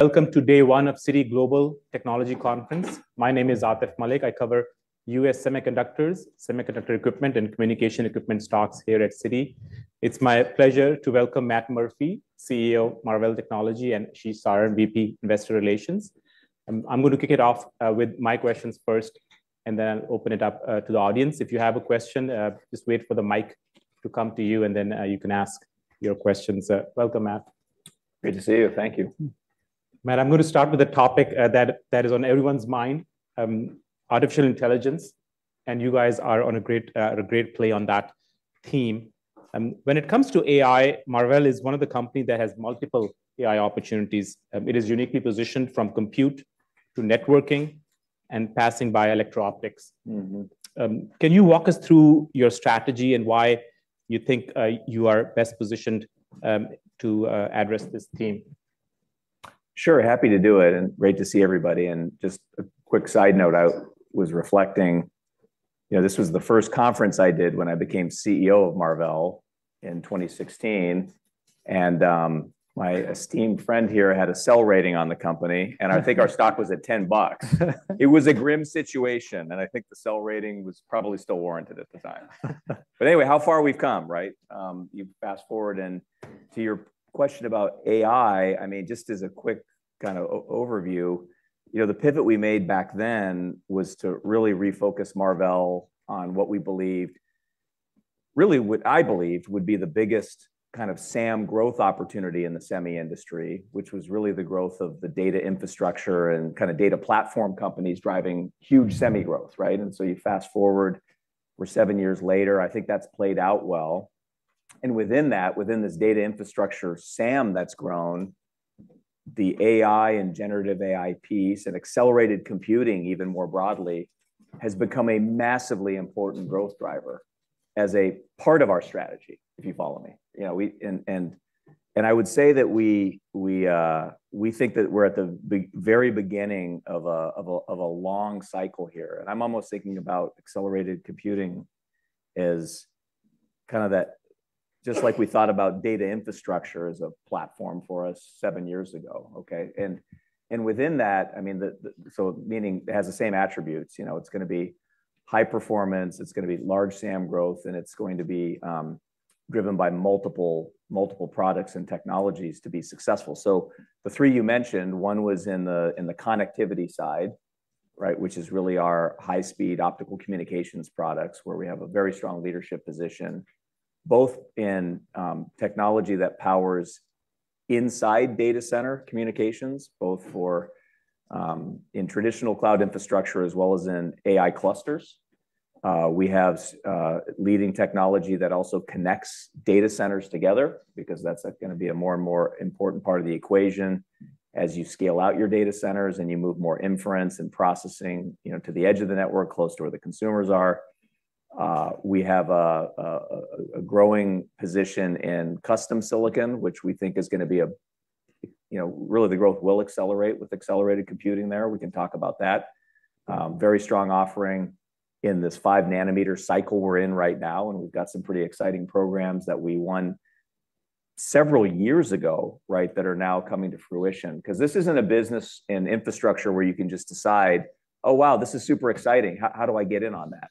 Welcome to Day one of Citi Global Technology Conference. My name is Atif Malik. I cover U.S. semiconductors, semiconductor equipment, and communication equipment stocks here at Citi. It's my pleasure to welcome Matt Murphy, CEO of Marvell Technology, and Ashish Saran, our VP, Investor Relations. I'm going to kick it off with my questions first, and then I'll open it up to the audience. If you have a question, just wait for the mic to come to you, and then you can ask your questions. Welcome, Matt. Great to see you. Thank you. Matt, I'm going to start with a topic that is on everyone's mind, artificial intelligence, and you guys are on a great play on that theme. When it comes to AI, Marvell is one of the company that has multiple AI opportunities. It is uniquely positioned from compute to networking and passing by electro-optics. Mm-hmm. Can you walk us through your strategy and why you think you are best positioned to address this theme? Sure, happy to do it, and great to see everybody. Just a quick side note, I was reflecting, you know, this was the first conference I did when I became CEO of Marvell in 2016. And, my esteemed friend here had a sell rating on the company, and I think our stock was at $10. It was a grim situation, and I think the sell rating was probably still warranted at the time. But anyway, how far we've come, right? You fast-forward, and to your question about AI, I mean, just as a quick kind of overview, you know, the pivot we made back then was to really refocus Marvell on what we believed, really, what I believed would be the biggest kind of SAM growth opportunity in the semi industry, which was really the growth of the data infrastructure and kind of data platform companies driving huge semi growth, right? So you fast-forward, we're seven years later. I think that's played out well. Within that, within this data infrastructure SAM, that's grown, the AI and generative AI piece and accelerated computing even more broadly has become a massively important growth driver as a part of our strategy, if you follow me. You know, and I would say that we think that we're at the very beginning of a long cycle here. And I'm almost thinking about accelerated computing as kind of that just like we thought about data infrastructure as a platform for us seven years ago, okay? And within that, I mean, so meaning it has the same attributes. You know, it's gonna be high performance, it's gonna be large SAM growth, and it's going to be driven by multiple products and technologies to be successful. So the three you mentioned, one was in the connectivity side, right? Which is really our high-speed optical communications products, where we have a very strong leadership position, both in technology that powers inside data center communications, both for in traditional cloud infrastructure as well as in AI clusters. We have leading technology that also connects data centers together because that's gonna be a more and more important part of the equation as you scale out your data centers and you move more inference and processing, you know, to the edge of the network, close to where the consumers are. We have a growing position in custom silicon, which we think is gonna be, you know, really, the growth will accelerate with accelerated computing there. We can talk about that. Very strong offering in this five nanometer cycle we're in right now, and we've got some pretty exciting programs that we won several years ago, right, that are now coming to fruition. Because this isn't a business and infrastructure where you can just decide, "Oh, wow, this is super exciting. How do I get in on that?"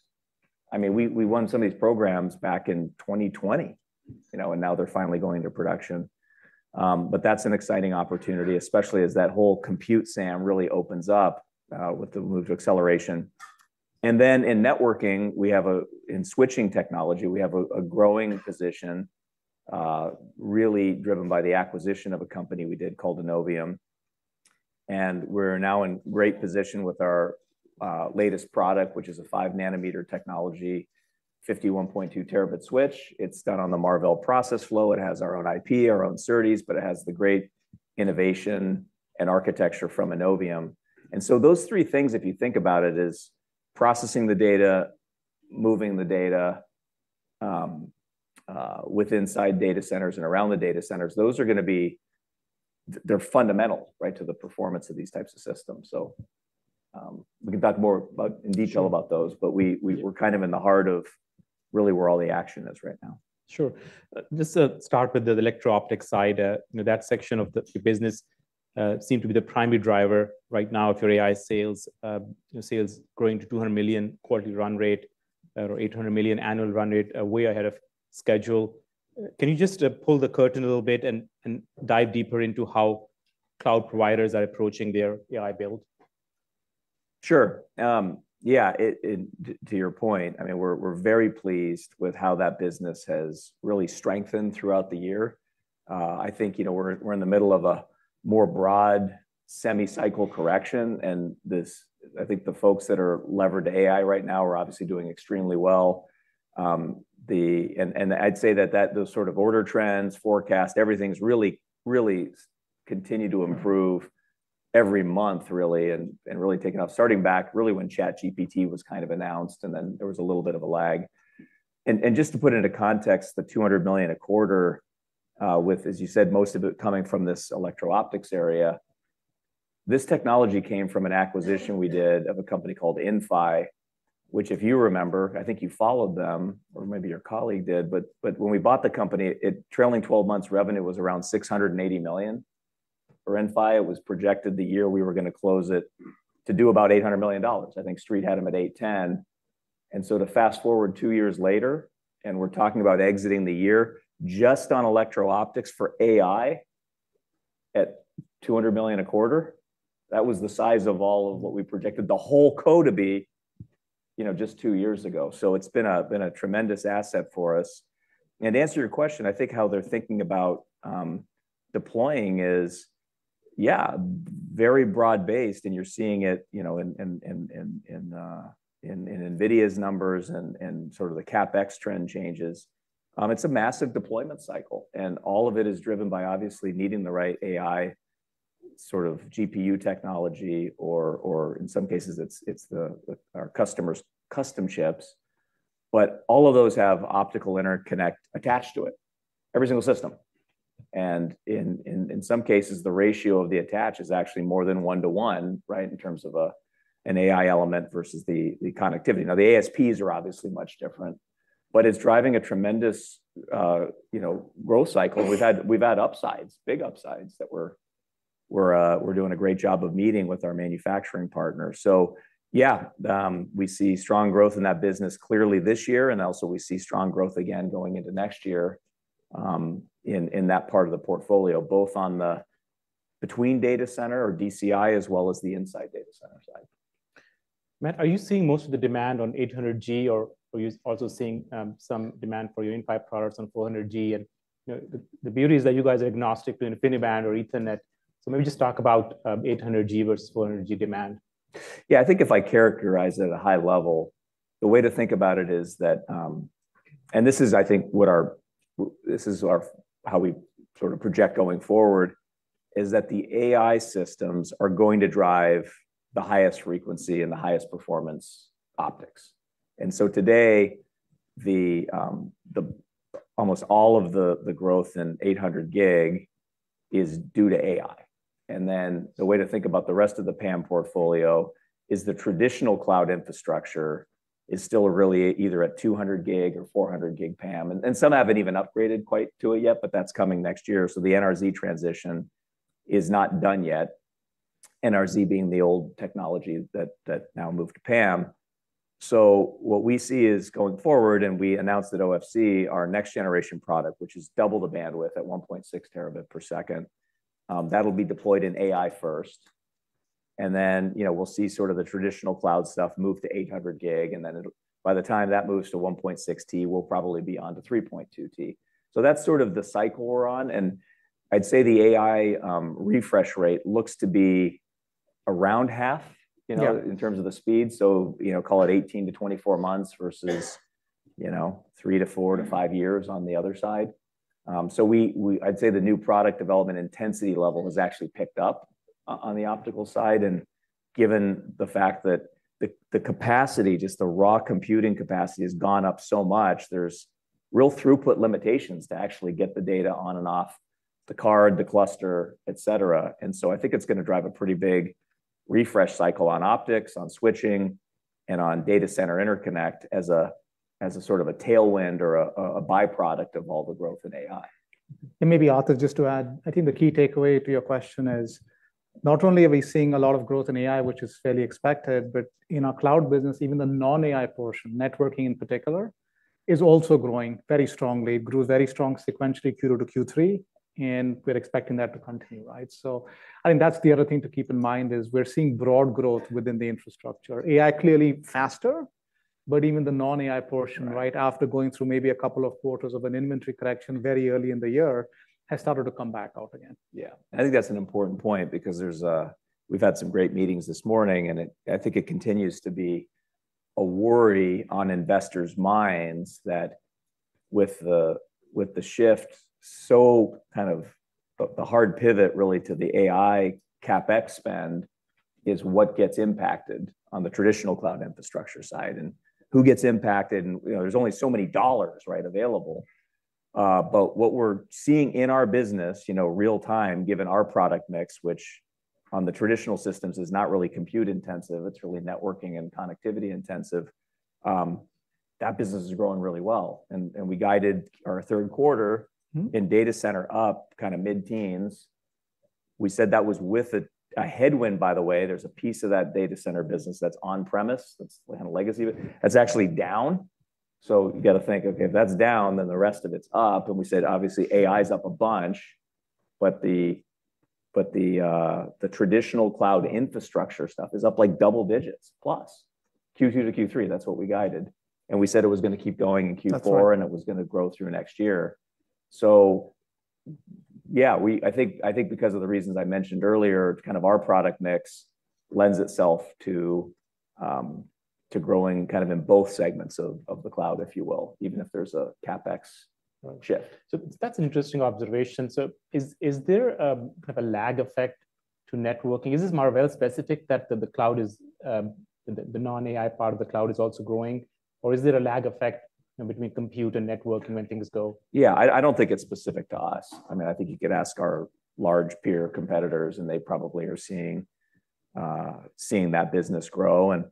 I mean, we won some of these programs back in 2020, you know, and now they're finally going to production. But that's an exciting opportunity, especially as that whole compute SAM really opens up, with the move to acceleration. And then in networking, we have a growing position in switching technology, really driven by the acquisition of a company we did called Innovium. And we're now in great position with our latest product, which is a five nanometer technology, 51.2T switch. It's done on the Marvell process flow. It has our own IP, our own SerDes, but it has the great innovation and architecture from Innovium. And so those three things, if you think about it, is processing the data, moving the data with inside data centers and around the data centers, those are gonna be... They're fundamental, right, to the performance of these types of systems. So, we can talk more about in detail about those, but we're kind of in the heart of really where all the action is right now. Sure. Just to start with the electro-optic side, you know, that section of the, the business, seem to be the primary driver right now of your AI sales. Your sales growing to $200 million quarterly run rate, or $800 million annual run rate, way ahead of schedule. Can you just, pull the curtain a little bit and, and dive deeper into how cloud providers are approaching their AI build? Sure. Yeah, it to your point, I mean, we're very pleased with how that business has really strengthened throughout the year. I think, you know, we're in the middle of a more broad semi-cycle correction, and this I think the folks that are levered to AI right now are obviously doing extremely well. And I'd say that those sort of order trends, forecast, everything's really, really continue to improve every month, really, and really taking off. Starting back, really, when ChatGPT was kind of announced, and then there was a little bit of a lag. And just to put it into context, the $200 million a quarter, with, as you said, most of it coming from this electro-optics area-... This technology came from an acquisition we did of a company called Inphi, which if you remember, I think you followed them or maybe your colleague did. But when we bought the company, its trailing twelve months revenue was around $680 million for Inphi. It was projected the year we were going to close it to do about $800 million. I think Street had them at $810 million. So to fast-forward two years later, and we're talking about exiting the year just on electro-optics for AI at $200 million a quarter, that was the size of all of what we predicted the whole co to be, you know, just two years ago. So it's been a tremendous asset for us. To answer your question, I think how they're thinking about deploying is very broad-based, and you're seeing it, you know, in NVIDIA's numbers and sort of the CapEx trend changes. It's a massive deployment cycle, and all of it is driven by obviously needing the right AI sort of GPU technology or, in some cases, it's our customers' custom chips. But all of those have optical interconnect attached to it, every single system. And in some cases, the ratio of the attach is actually more than one to one, right? In terms of an AI element versus the connectivity. Now, the ASPs are obviously much different, but it's driving a tremendous, you know, growth cycle. We've had upsides, big upsides that we're doing a great job of meeting with our manufacturing partners. So yeah, we see strong growth in that business clearly this year, and also we see strong growth again going into next year, in that part of the portfolio, both on the between data center or DCI, as well as the inside data center side. Matt, are you seeing most of the demand on 800G, or are you also seeing some demand for your Inphi products on 400G? And, you know, the beauty is that you guys are agnostic to InfiniBand or Ethernet. So maybe just talk about 800G versus 400G demand. Yeah, I think if I characterize it at a high level, the way to think about it is that. And this is, I think, what our—how we sort of project going forward, is that the AI systems are going to drive the highest frequency and the highest performance optics. And so today, the—almost all of the growth in 800G is due to AI. And then the way to think about the rest of the PAM portfolio is the traditional cloud infrastructure is still really either at 200G or 400G PAM. And some haven't even upgraded quite to it yet, but that's coming next year. So the NRZ transition is not done yet. NRZ being the old technology that now moved to PAM. So what we see is going forward, and we announced at OFC, our next generation product, which is double the bandwidth at 1.6 terabit per second, that'll be deployed in AI first. And then, you know, we'll see sort of the traditional cloud stuff move to 800 gig, and then it'll— by the time that moves to 1.6T, we'll probably be on to 3.2T. So that's sort of the cycle we're on, and I'd say the AI, refresh rate looks to be around half- Yeah... you know, in terms of the speed. So, you know, call it 18-24 months versus, you know, three to four to five years on the other side. So I'd say the new product development intensity level has actually picked up on the optical side. And given the fact that the capacity, just the raw computing capacity, has gone up so much, there's real throughput limitations to actually get the data on and off the card, the cluster, et cetera. And so I think it's going to drive a pretty big refresh cycle on optics, on switching, and on data center interconnect as a sort of a tailwind or a byproduct of all the growth in AI. And maybe, Atif, just to add, I think the key takeaway to your question is, not only are we seeing a lot of growth in AI, which is fairly expected, but in our cloud business, even the non-AI portion, networking in particular, is also growing very strongly. It grew very strong sequentially, Q2 to Q3, and we're expecting that to continue, right? So I think that's the other thing to keep in mind is we're seeing broad growth within the infrastructure. AI clearly faster, but even the non-AI portion, right? Right After going through maybe a couple of quarters of an inventory correction very early in the year, has started to come back out again. Yeah. I think that's an important point because we've had some great meetings this morning, and I think it continues to be a worry on investors' minds that with the shift, so kind of the hard pivot really to the AI CapEx spend is what gets impacted on the traditional cloud infrastructure side. And who gets impacted? And, you know, there's only so many dollars, right, available. But what we're seeing in our business, you know, real time, given our product mix, which on the traditional systems is not really compute intensive, it's really networking and connectivity intensive, that business is growing really well. And we guided our third quarter- Mm-hmm... in data center up kind of mid-teens. We said that was with a, a headwind, by the way. There's a piece of that data center business that's on premise, that's kind of legacy, that's actually down. So you got to think, "Okay, if that's down, then the rest of it's up." And we said, obviously, AI's up a bunch, but the, but the, the traditional cloud infrastructure stuff is up like double digits plus. Q2 to Q3, that's what we guided, and we said it was going to keep going in Q4- That's right... and it was going to grow through next year. So yeah, we, I think, I think because of the reasons I mentioned earlier, kind of our product mix lends itself to to growing kind of in both segments of the cloud, if you will, even if there's a CapEx shift. So that's an interesting observation. So is there kind of a lag effect to networking? Is this Marvell specific, that the cloud is the non-AI part of the cloud is also growing, or is there a lag effect between compute and networking when things go? Yeah, I don't think it's specific to us. I mean, I think you could ask our large peer competitors, and they probably are seeing that business grow. And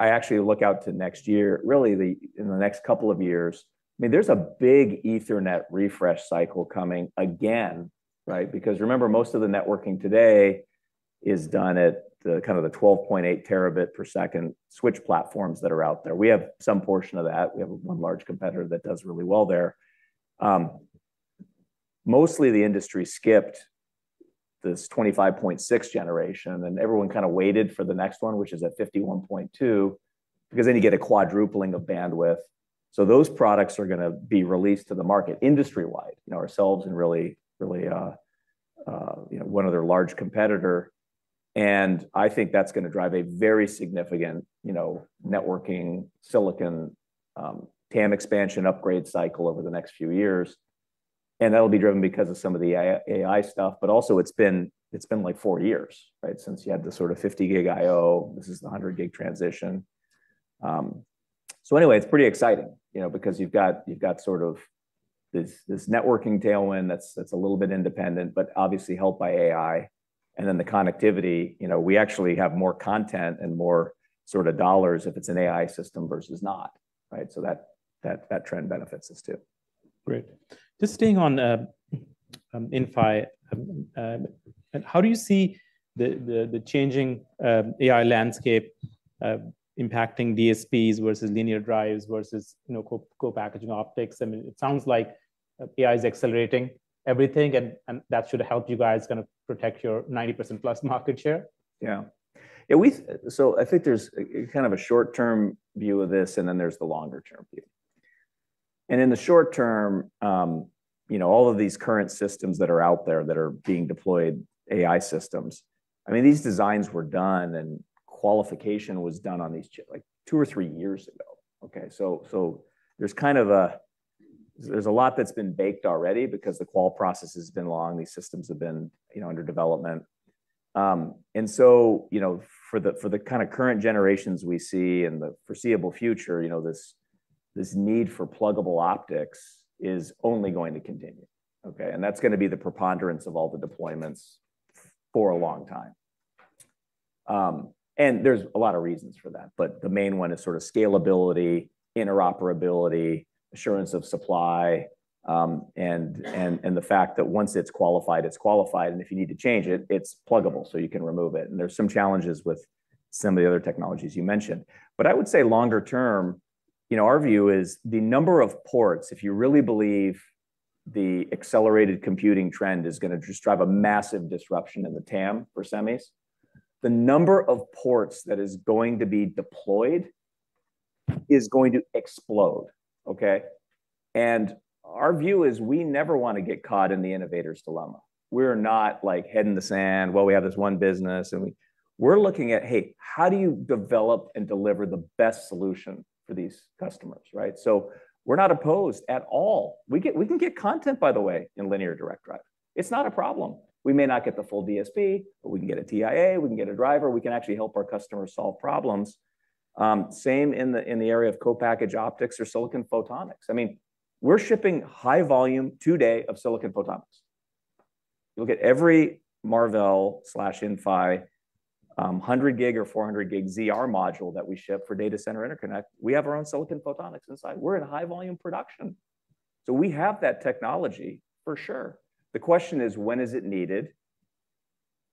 I actually look out to next year, really, in the next couple of years. I mean, there's a big Ethernet refresh cycle coming again, right? Because remember, most of the networking today is done at the kind of the 12.8 terabit per second switch platforms that are out there. We have some portion of that. We have one large competitor that does really well there. Mostly, the industry skipped this 25.6 generation, and everyone kind of waited for the next one, which is at 51.2, because then you get a quadrupling of bandwidth. So those products are gonna be released to the market industry-wide, you know, ourselves and really, really, you know, one other large competitor, and I think that's gonna drive a very significant, you know, networking silicon TAM expansion upgrade cycle over the next few years. And that'll be driven because of some of the AI, AI stuff, but also it's been, it's been like four years, right? Since you had this sort of 50 gig IO, this is the 100 gig transition. So anyway, it's pretty exciting, you know, because you've got, you've got sort of this, this networking tailwind that's, that's a little bit independent but obviously helped by AI, and then the connectivity. You know, we actually have more content and more sort of dollars if it's an AI system versus not, right? So that, that, that trend benefits us too. Great. Just staying on Inphi, how do you see the changing AI landscape impacting DSPs versus linear drives versus, you know, co-packaged optics? I mean, it sounds like AI is accelerating everything, and that should help you guys kind of protect your 90%+ market share. Yeah. Yeah, we so I think there's kind of a short-term view of this, and then there's the longer-term view. And in the short term, you know, all of these current systems that are out there that are being deployed, AI systems, I mean, these designs were done and qualification was done on these like two or three years ago, okay? So, so there's kind of there's a lot that's been baked already because the qual process has been long. These systems have been, you know, under development. And so, you know, for the kind of current generations we see in the foreseeable future, you know, this, this need for pluggable optics is only going to continue, okay? And that's gonna be the preponderance of all the deployments for a long time. And there's a lot of reasons for that, but the main one is sort of scalability, interoperability, assurance of supply, and the fact that once it's qualified, it's qualified, and if you need to change it, it's pluggable, so you can remove it. There's some challenges with some of the other technologies you mentioned. But I would say longer term, you know, our view is the number of ports, if you really believe the accelerated computing trend is gonna just drive a massive disruption in the TAM for semis, the number of ports that is going to be deployed is going to explode, okay? Our view is we never want to get caught in the innovator's dilemma. We're not like, head in the sand, "Well, we have this one business," and we're looking at, hey, how do you develop and deliver the best solution for these customers, right? So we're not opposed at all. We can get content, by the way, in linear direct drive. It's not a problem. We may not get the full DSP, but we can get a TIA, we can get a driver, we can actually help our customers solve problems. Same in the area of co-packaged optics or silicon photonics. I mean, we're shipping high volume today of silicon photonics. You'll get every Marvell/Inphi 100gb or 400gb ZR module that we ship for data center interconnect. We have our own silicon photonics inside. We're in high volume production, so we have that technology for sure. The question is, when is it needed?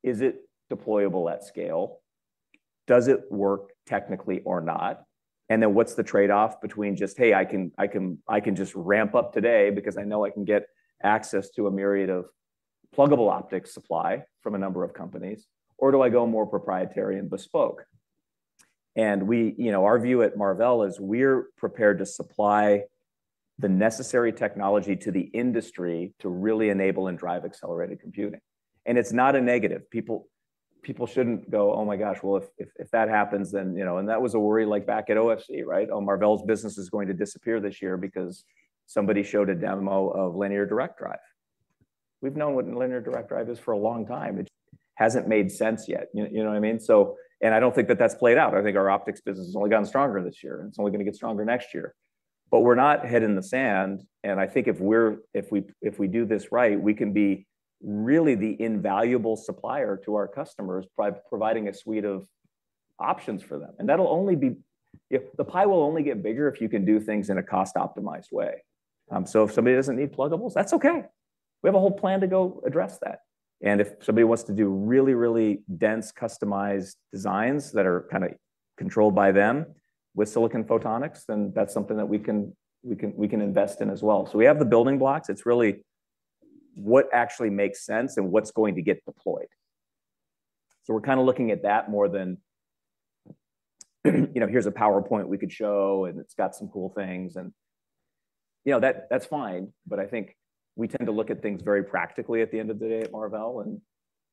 Is it deployable at scale? Does it work technically or not? And then what's the trade-off between just, hey, I can, I can, I can just ramp up today because I know I can get access to a myriad of pluggable optics supply from a number of companies, or do I go more proprietary and bespoke? And we, you know, our view at Marvell is we're prepared to supply the necessary technology to the industry to really enable and drive accelerated Computing, and it's not a negative. People, people shouldn't go, "Oh, my gosh! Well, if, if, if that happens, then..." You know, and that was a worry like back at OFC, right? Oh, Marvell's business is going to disappear this year because somebody showed a demo of linear direct drive. We've known what linear direct drive is for a long time. It hasn't made sense yet. You know what I mean? So and I don't think that that's played out. I think our optics business has only gotten stronger this year, and it's only gonna get stronger next year. But we're not head in the sand, and I think if we do this right, we can be really the invaluable supplier to our customers by providing a suite of options for them. And that'll only be—if the pie will only get bigger, if you can do things in a cost-optimized way. So if somebody doesn't need pluggables, that's okay. We have a whole plan to go address that. And if somebody wants to do really, really dense, customized designs that are kind of controlled by them with silicon photonics, then that's something that we can invest in as well. So we have the building blocks. It's really what actually makes sense and what's going to get deployed. So we're kind of looking at that more than, you know, here's a PowerPoint we could show, and it's got some cool things. And, you know, that, that's fine, but I think we tend to look at things very practically at the end of the day at Marvell, and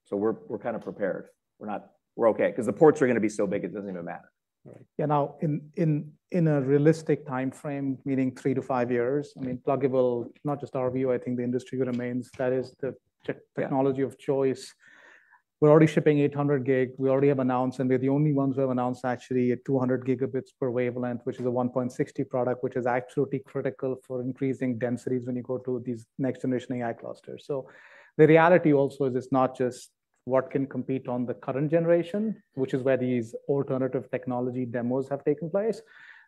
so we're, we're kind of prepared. We're not... We're okay because the ports are gonna be so big, it doesn't even matter. Right. Yeah, now, in a realistic timeframe, meaning three to five years- Mm. I mean, pluggable, not just our view, I think the industry remains, that is the tech- Yeah... technology of choice. We're already shipping 800G. We already have announced, and we're the only ones who have announced, actually, a 200 gigabits per wavelength, which is a 1.6T product, which is absolutely critical for increasing densities when you go to these next generation AI clusters. The reality also is it's not just what can compete on the current generation, which is where these alternative technology demos have taken place.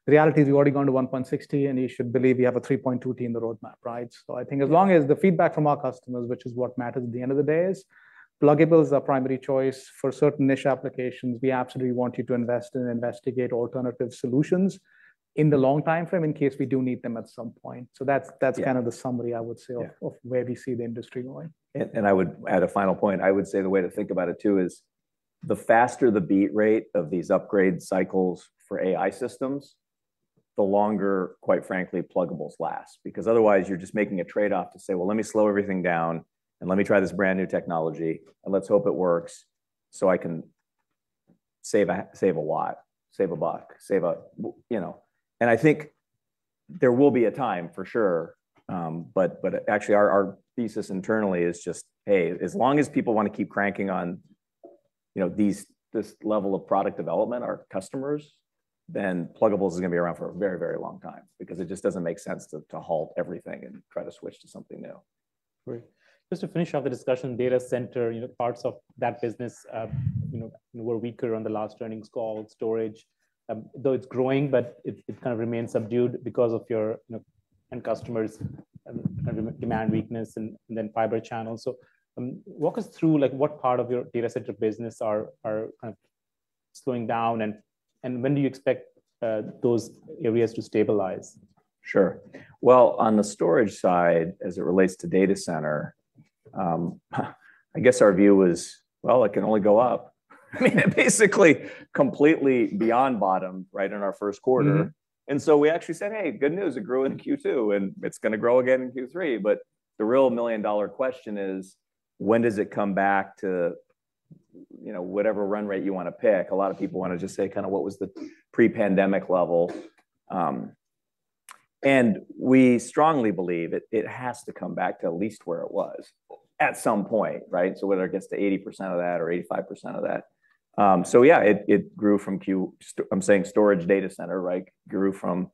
The reality is we've already gone to 1.6T, and you should believe we have a 3.2T in the roadmap, right? I think as long as the feedback from our customers, which is what matters at the end of the day, is pluggables are primary choice for certain niche applications, we absolutely want you to invest and investigate alternative solutions in the long time frame in case we do need them at some point. So that's. Yeah Kind of the summary I would say of- Yeah of where we see the industry going. I would add a final point. I would say the way to think about it, too, is the faster the beat rate of these upgrade cycles for AI systems, the longer, quite frankly, pluggables last. Because otherwise, you're just making a trade-off to say, "Well, let me slow everything down, and let me try this brand-new technology, and let's hope it works, so I can save a, save a watt, save a buck, save a..." You know, and I think there will be a time for sure, but actually, our thesis internally is just, hey, as long as people want to keep cranking on, you know, these—this level of product development, our customers, then pluggables is going to be around for a very, very long time because it just doesn't make sense to halt everything and try to switch to something new. Great. Just to finish off the discussion, data center, you know, parts of that business were weaker on the last earnings call, storage. Though it's growing, but it kind of remains subdued because of your, you know, end customers' demand weakness and then Fiber Channel. So, walk us through, like, what part of your data center business are kind of slowing down, and when do you expect those areas to stabilize? Sure. Well, on the storage side, as it relates to data center, I guess our view is, well, it can only go up. I mean, basically, completely beyond bottom, right in our first quarter. Mm-hmm. So we actually said, "Hey, good news, it grew in Q2, and it's going to grow again in Q3." But the real million-dollar question is: when does it come back to, you know, whatever run rate you want to pick? A lot of people want to just say kind of what was the pre-pandemic level, and we strongly believe it has to come back to at least where it was at some point, right? So whether it gets to 80% of that or 85% of that. So yeah, it grew from Q1, I'm saying storage data center, right, grew from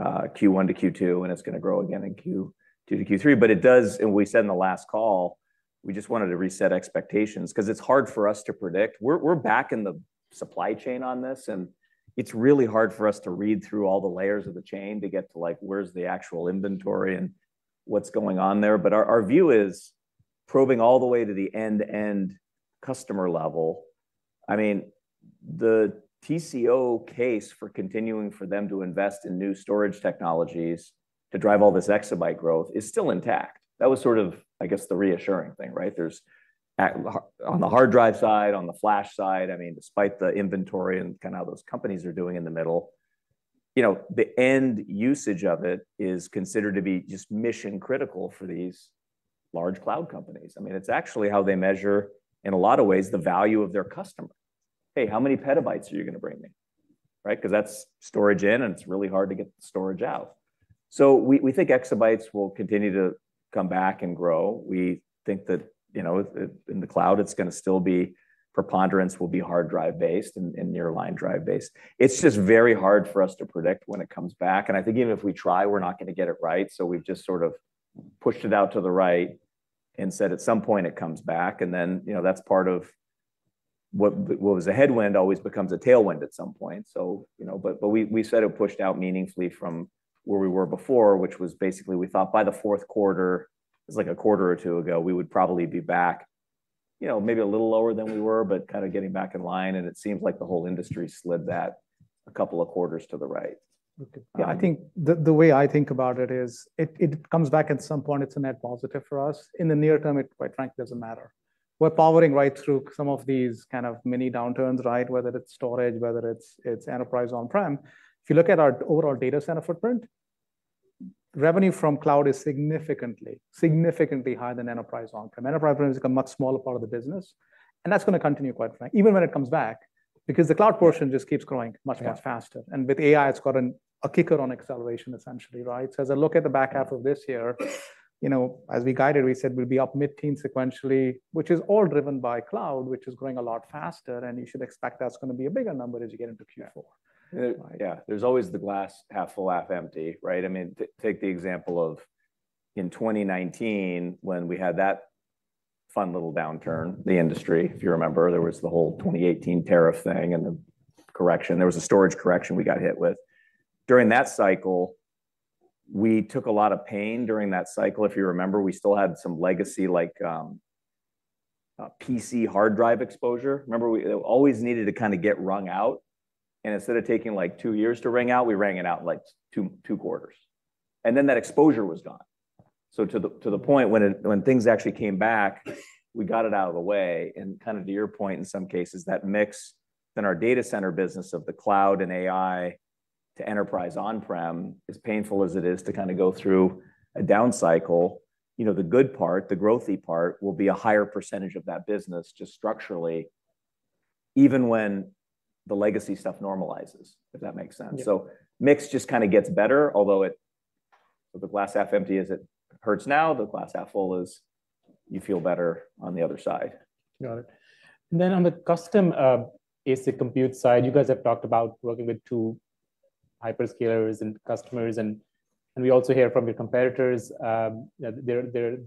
Q1 to Q2, and it's going to grow again in Q2 to Q3. But it does. And we said in the last call, we just wanted to reset expectations 'cause it's hard for us to predict. We're back in the supply chain on this, and it's really hard for us to read through all the layers of the chain to get to, like, where's the actual inventory and what's going on there. But our view is probing all the way to the end-to-end customer level. I mean, the TCO case for continuing for them to invest in new storage technologies to drive all this exabyte growth is still intact. That was sort of, I guess, the reassuring thing, right? There's on the hard drive side, on the flash side, I mean, despite the inventory and kind of how those companies are doing in the middle, you know, the end usage of it is considered to be just mission-critical for these large cloud companies. I mean, it's actually how they measure, in a lot of ways, the value of their customer. “Hey, how many petabytes are you going to bring me?” Right? Because that's storage in, and it's really hard to get the storage out. So we think exabytes will continue to come back and grow. We think that, you know, in the cloud, it's going to still be, preponderance will be hard drive-based and nearline drive-based. It's just very hard for us to predict when it comes back, and I think even if we try, we're not going to get it right. So we've just sort of pushed it out to the right and said at some point it comes back, and then, you know, that's part of what was a headwind always becomes a tailwind at some point. So, you know, but we said it pushed out meaningfully from where we were before, which was basically we thought by the fourth quarter, it was like a quarter or two ago, we would probably be back, you know, maybe a little lower than we were, but kind of getting back in line, and it seems like the whole industry slid that a couple of quarters to the right. Okay. Yeah, I think the way I think about it is it comes back at some point it's a net positive for us. In the near term, it quite frankly doesn't matter. We're powering right through some of these kind of mini downturns, right? Whether it's storage, whether it's enterprise on-prem. If you look at our overall data center footprint, revenue from cloud is significantly, significantly higher than enterprise on-prem. Enterprise on-prem is a much smaller part of the business, and that's going to continue, quite frankly, even when it comes back, because the cloud portion just keeps growing much, much faster. Yeah. With AI, it's got a kicker on acceleration, essentially, right? So as I look at the back half of this year, you know, as we guided, we said we'll be up mid-teen sequentially, which is all driven by cloud, which is growing a lot faster, and you should expect that's going to be a bigger number as you get into Q4. Yeah. Yeah, there's always the glass half full, half empty, right? I mean, take the example of in 2019 when we had that fun little downturn, the industry, if you remember, there was the whole 2018 tariff thing and the correction. There was a storage correction we got hit with. During that cycle, we took a lot of pain during that cycle. If you remember, we still had some legacy like PC hard drive exposure. Remember, it always needed to kind of get wrung out, and instead of taking, like, two years to wring out, we wrung it out in, like, two quarters, and then that exposure was gone. So to the point when things actually came back, we got it out of the way. Kind of to your point, in some cases, that mix in our data center business of the cloud and AI to enterprise on-prem, as painful as it is to kind of go through a down cycle, you know, the good part, the growthy part, will be a higher percentage of that business just structurally, even when the legacy stuff normalizes, if that makes sense. Yeah. So mix just kind of gets better, although it... So the glass half empty as it hurts now, the glass half full is you feel better on the other side. Got it. And then on the custom, basic compute side, you guys have talked about working with two-... hyperscalers and customers, and we also hear from your competitors that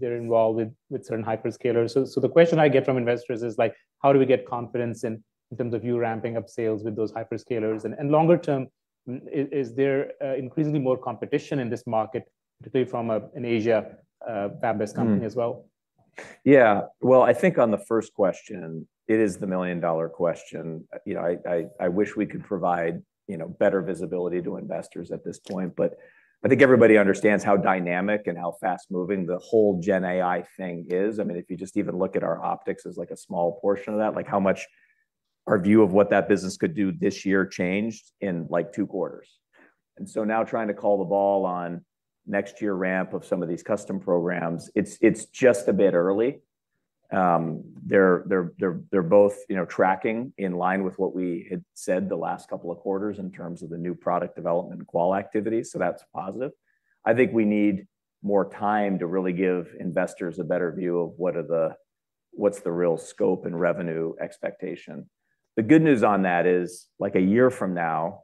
they're involved with certain hyperscalers. So the question I get from investors is like, how do we get confidence in terms of you ramping up sales with those hyperscalers? And longer term, is there increasingly more competition in this market, particularly from in Asia fabless company as well? Well, I think on the first question, it is the million-dollar question. You know, I wish we could provide, you know, better visibility to investors at this point. But I think everybody understands how dynamic and how fast-moving the whole Gen AI thing is. I mean, if you just even look at our optics as like a small portion of that, like, how much our view of what that business could do this year changed in, like, two quarters. And so now trying to call the ball on next year ramp of some of these custom programs, it's just a bit early. They're both, you know, tracking in line with what we had said the last couple of quarters in terms of the new product development qual activities, so that's positive. I think we need more time to really give investors a better view of what are the, what's the real scope and revenue expectation. The good news on that is, like a year from now,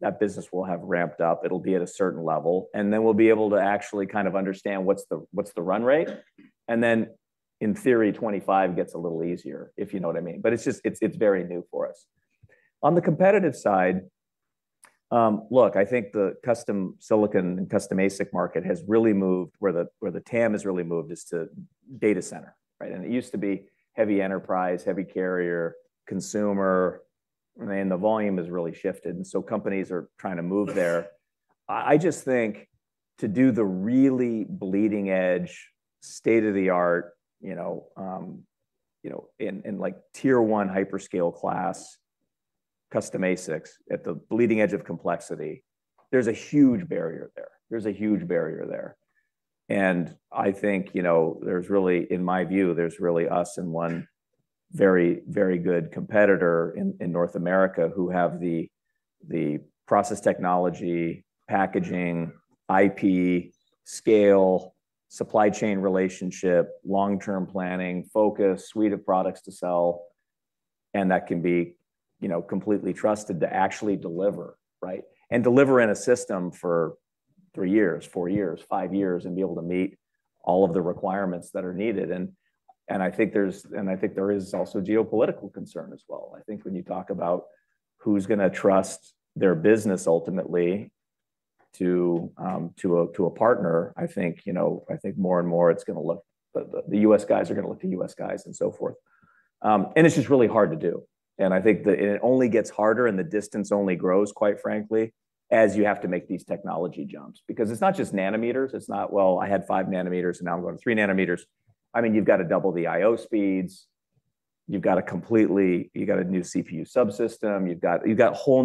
that business will have ramped up. It'll be at a certain level, and then we'll be able to actually kind of understand what's the, what's the run rate. And then, in theory, 2025 gets a little easier, if you know what I mean. But it's just, it's, it's very new for us. On the competitive side, look, I think the custom silicon and custom ASIC market has really moved, where the, where the TAM has really moved is to data center, right? And it used to be heavy enterprise, heavy carrier, consumer, and the volume has really shifted, and so companies are trying to move there. I, I just think to do the really bleeding-edge, state-of-the-art, you know, you know, in, in like tier one hyperscale class, custom ASICs at the bleeding edge of complexity, there's a huge barrier there. There's a huge barrier there. And I think, you know, there's really... in my view, there's really us and one very, very good competitor in, in North America who have the, the process technology, packaging, IP, scale, supply chain relationship, long-term planning, focus, suite of products to sell, and that can be, you know, completely trusted to actually deliver, right? And deliver in a system for three years, four years, five years, and be able to meet all of the requirements that are needed. And I think there is also geopolitical concern as well. I think when you talk about who's going to trust their business ultimately to, to a partner, I think, you know, I think more and more it's going to look—the U.S. guys are going to look to U.S. guys and so forth. And it's just really hard to do. And I think and it only gets harder, and the distance only grows, quite frankly, as you have to make these technology jumps. Because it's not just nanometers, it's not, "Well, I had five nanometers, and now I'm going to three nanometers." I mean, you've got to double the I/O speeds. You've got to completely—you've got a new CPU subsystem. You've got, you've got a whole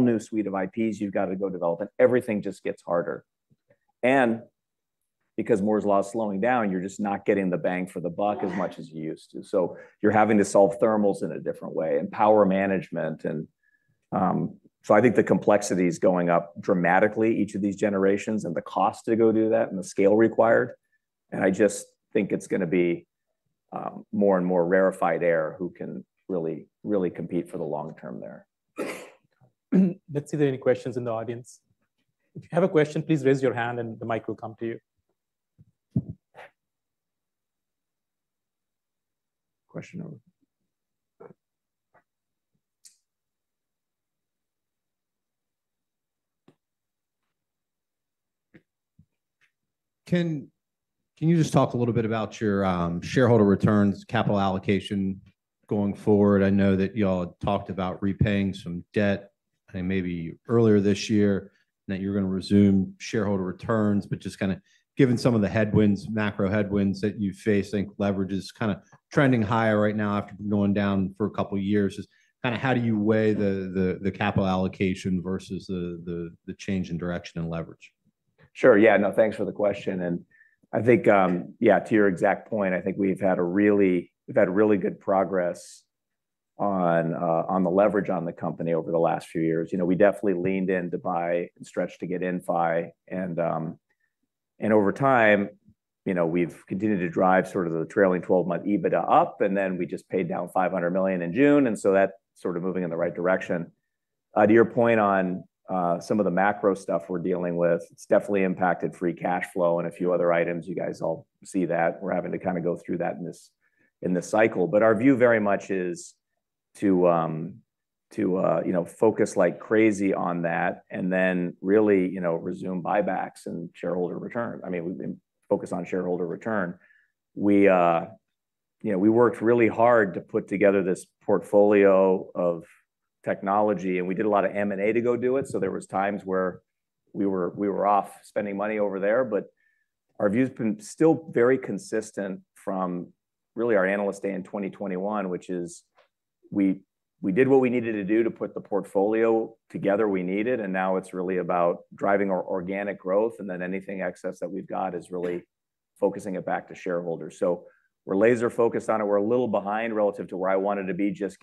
new suite of IPs you've got to go develop, and everything just gets harder. Because Moore's Law is slowing down, you're just not getting the bang for the buck as much as you used to. So you're having to solve thermals in a different way and power management. So I think the complexity is going up dramatically, each of these generations, and the cost to go do that and the scale required, and I just think it's going to be more and more rarefied air who can really, really compete for the long term there. Let's see if there are any questions in the audience. If you have a question, please raise your hand and the mic will come to you. Question over there. Can you just talk a little bit about your shareholder returns, capital allocation going forward? I know that y'all talked about repaying some debt, I think maybe earlier this year, that you're going to resume shareholder returns. But just kind of given some of the headwinds, macro headwinds that you face, I think leverage is kind of trending higher right now after going down for a couple of years. Just kind of how do you weigh the capital allocation versus the change in direction and leverage? Sure. Yeah, no, thanks for the question, and I think, yeah, to your exact point, I think we've had really good progress on, on the leverage on the company over the last few years. You know, we definitely leaned in to buy and stretch to get Inphi, and, and over time, you know, we've continued to drive sort of the trailing twelve-month EBITDA up, and then we just paid down $500 million in June, and so that's sort of moving in the right direction. To your point on, some of the macro stuff we're dealing with, it's definitely impacted free cash flow and a few other items. You guys all see that. We're having to kind of go through that in this, in this cycle. But our view very much is to you know focus like crazy on that and then really you know resume buybacks and shareholder return. I mean, we've been focused on shareholder return. We you know we worked really hard to put together this portfolio of technology, and we did a lot of M&A to go do it, so there was times where we were off spending money over there. But our view's been still very consistent from really our Analyst Day in 2021, which is we did what we needed to do to put the portfolio together we needed, and now it's really about driving our organic growth, and then anything excess that we've got is really focusing it back to shareholders. So we're laser-focused on it. We're a little behind relative to where I wanted to be, just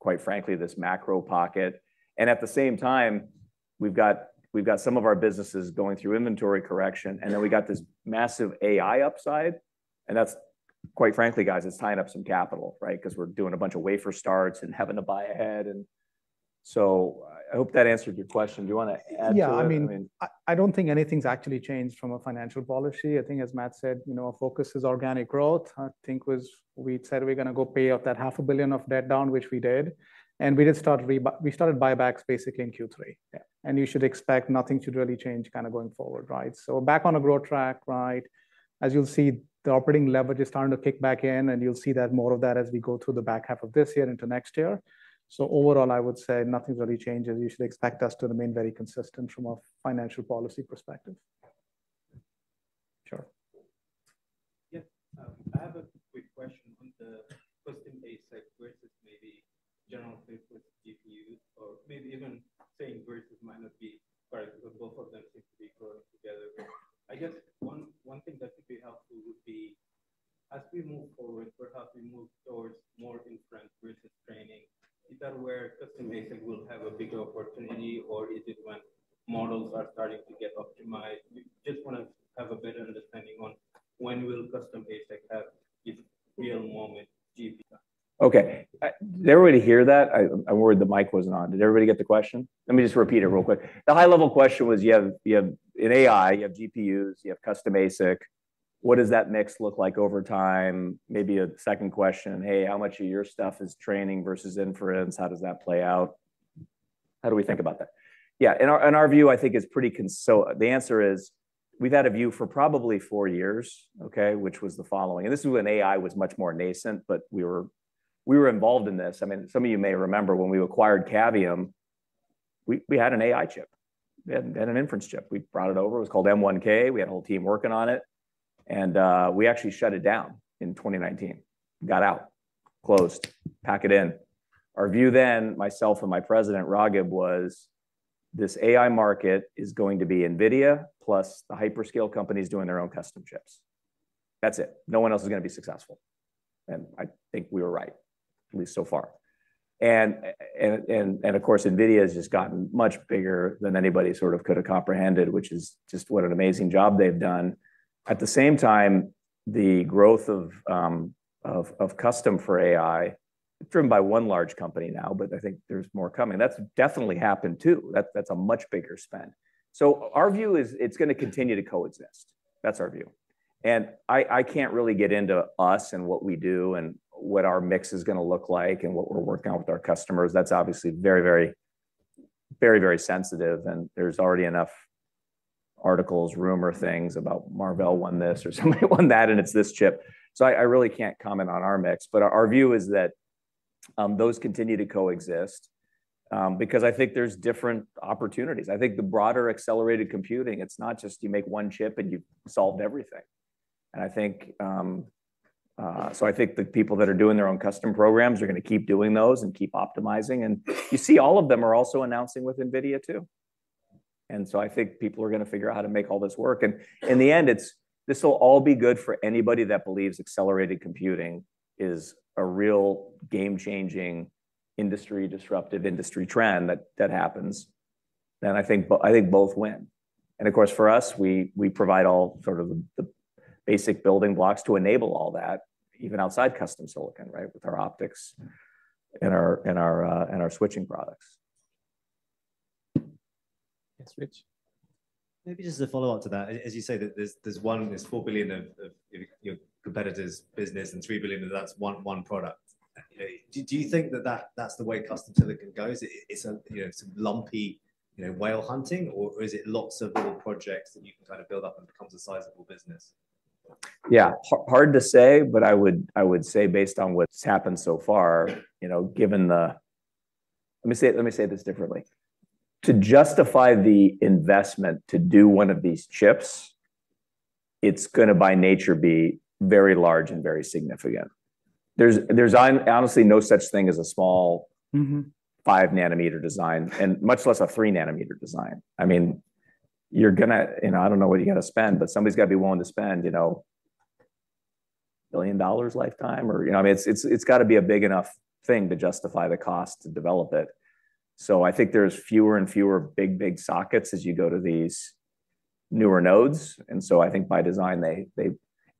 given, quite frankly, this macro pocket. And at the same time, we've got some of our businesses going through inventory correction, and then we got this massive AI upside, and that's quite frankly, guys, it's tying up some capital, right? 'Cause we're doing a bunch of wafer starts and having to buy ahead. And so I hope that answered your question. Do you wanna add to that? I mean- Yeah, I mean, I don't think anything's actually changed from a financial policy. I think, as Matt said, you know, our focus is organic growth. I think as we said we're gonna go pay off that $500 million of debt down, which we did, and we started buybacks basically in Q3. Yeah. And you should expect nothing to really change kind of going forward, right? So back on a growth track, right. As you'll see, the operating leverage is starting to kick back in, and you'll see that more of that as we go through the back half of this year into next year. So overall, I would say nothing's really changed, and you should expect us to remain very consistent from a financial policy perspective. Sure. Yes, I have a quick question on the custom ASIC versus maybe general-purpose GPU, or maybe even saying versus might not be correct, but both of them seem to be going together. I guess one thing that could be helpful would be, as we move forward, perhaps we move towards more inference versus training. Is that where custom ASIC will have a bigger opportunity, or is it when models are starting to get optimized? We just wanna have a better understanding on when will custom ASIC have its real moment, GPU? Okay, did everybody hear that? I'm worried the mic wasn't on. Did everybody get the question? Let me just repeat it real quick. The high-level question was, you have, you have—in AI, you have GPUs, you have custom ASIC. What does that mix look like over time? Maybe a second question, hey, how much of your stuff is training versus inference? How does that play out? How do we think about that? Yeah, in our view, I think is pretty consol- The answer is, we've had a view for probably four years, okay, which was the following. And this is when AI was much more nascent, but we were involved in this. I mean, some of you may remember when we acquired Cavium, we had an AI chip. We had an inference chip. We brought it over. It was called M1K. We had a whole team working on it, and we actually shut it down in 2019. Got out, closed, pack it in. Our view then, myself and my president, Raghib, was this AI market is going to be NVIDIA plus the hyperscale companies doing their own custom chips. That's it. No one else is gonna be successful, and I think we were right, at least so far. And of course, NVIDIA has just gotten much bigger than anybody sort of could have comprehended, which is just what an amazing job they've done. At the same time, the growth of custom for AI, driven by one large company now, but I think there's more coming. That's definitely happened too. That's a much bigger spend. So our view is it's gonna continue to coexist. That's our view. And I can't really get into us and what we do and what our mix is gonna look like and what we're working on with our customers. That's obviously very, very, very, very sensitive, and there's already enough articles, rumor, things about Marvell won this or somebody won that, and it's this chip. So I really can't comment on our mix, but our view is that those continue to coexist because I think there's different opportunities. I think the broader accelerated computing, it's not just you make one chip and you've solved everything. And I think the people that are doing their own custom programs are gonna keep doing those and keep optimizing. And you see all of them are also announcing with NVIDIA too. And so I think people are gonna figure out how to make all this work. In the end, this will all be good for anybody that believes accelerated computing is a real game-changing, industry-disruptive industry trend that happens. I think both win. Of course, for us, we provide all sort of the basic building blocks to enable all that, even outside custom silicon, right? With our optics and our switching products. Yes, Rich. Maybe just a follow-up to that. As you say, that there's four billion of your competitor's business and three billion, and that's one product. Do you think that that's the way custom silicon goes? It's, you know, some lumpy, you know, whale hunting, or is it lots of little projects that you can kind of build up and becomes a sizable business? Yeah, hard to say, but I would, I would say based on what's happened so far, you know, given the... Let me say, let me say this differently. To justify the investment to do one of these chips, it's gonna, by nature, be very large and very significant. There's, there's honestly, no such thing as a small- Mm-hmm... five nanometer design, and much less a three nanometer design. I mean, you're gonna, you know, I don't know what you're gonna spend, but somebody's gotta be willing to spend, you know, $1 billion lifetime or... You know, I mean, it's gotta be a big enough thing to justify the cost to develop it. So I think there's fewer and fewer big, big sockets as you go to these newer nodes, and so I think by design, they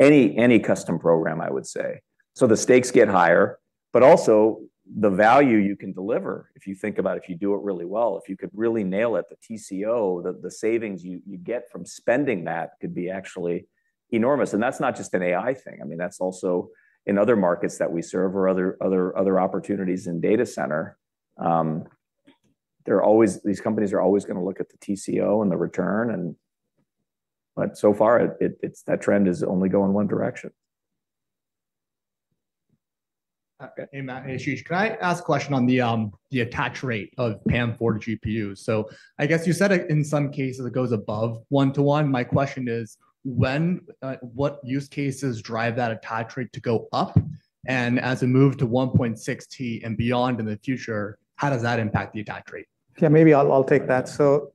any custom program, I would say. So the stakes get higher, but also the value you can deliver, if you think about if you do it really well, if you could really nail it, the TCO, the savings you get from spending that could be actually enormous. And that's not just an AI thing. I mean, that's also in other markets that we serve or other opportunities in data center. They're always—these companies are always gonna look at the TCO and the return, and but so far, it that trend is only going one direction. Hey, Matt, hey, Ashish, can I ask a question on the attach rate of PAM4 GPUs? So I guess you said it, in some cases, it goes above one to one. My question is, when, what use cases drive that attach rate to go up? And as we move to 1.6T and beyond in the future, how does that impact the attach rate? Yeah, maybe I'll, I'll take that. So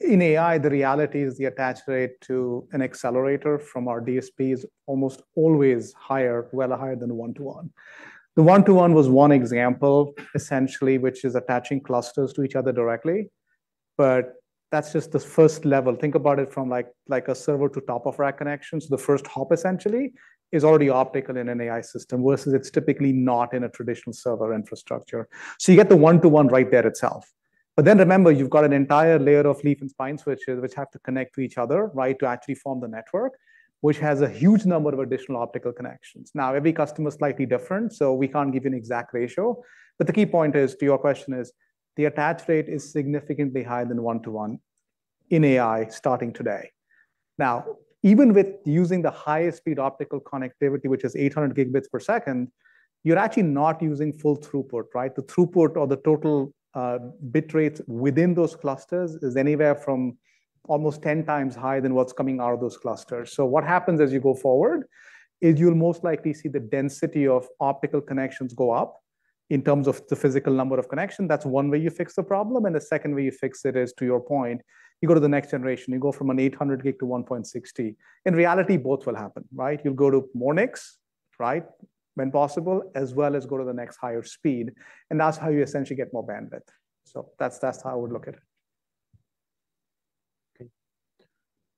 in AI, the reality is the attach rate to an accelerator from our DSP is almost always higher, well higher than one to one. The one to one was one example, essentially, which is attaching clusters to each other directly, but that's just the first level. Think about it from like, like a server to top-of-rack connection. So the first hop, essentially, is already optical in an AI system versus it's typically not in a traditional server infrastructure. So you get the one to one right there itself. But then remember, you've got an entire layer of leaf and spine switches which have to connect to each other, right, to actually form the network, which has a huge number of additional optical connections. Now, every customer is slightly different, so we can't give you an exact ratio, but the key point is, to your question is, the attach rate is significantly higher than one to one in AI, starting today. Now, even with using the highest speed optical connectivity, which is 800 gigabits per second, you're actually not using full throughput, right? The throughput or the total, bit rate within those clusters is anywhere from almost 10 times higher than what's coming out of those clusters. So what happens as you go forward is you'll most likely see the density of optical connections go up in terms of the physical number of connection. That's one way you fix the problem, and the second way you fix it is, to your point, you go to the next generation. You go from an 800 gb to 1.6T. In reality, both will happen, right? You'll go to more next, right, when possible, as well as go to the next higher speed, and that's how you essentially get more bandwidth. So that's how I would look at it. Okay.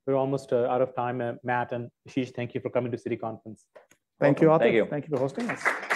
We're almost out of time. Matt and Ashish, thank you for coming to Citi Conference. Thank you, Atif. Thank you. Thank you for hosting us.